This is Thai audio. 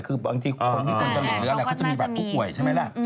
คือบางทีคนที่ต้องจำเป็นอะไรเขาจะมีบัตรผู้ป่วยใช่ไหมล่ะ